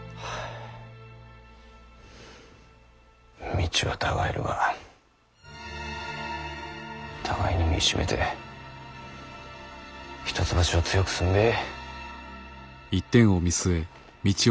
道は違えるが互いに身ぃしめて一橋を強くすんべぇ。